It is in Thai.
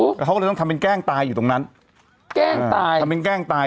แต่เขาก็เลยต้องทำเป็นแกล้งตายอยู่ตรงนั้นแกล้งตายทำเป็นแกล้งตาย